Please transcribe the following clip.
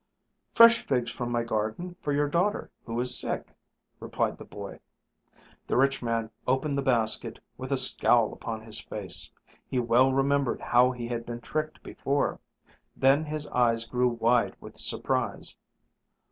"Fresh figs from my garden for your daughter who is sick," replied the boy. The rich man opened the basket with a scowl upon his face. He well remembered how he had been tricked before. Then his eyes grew wide with surprise.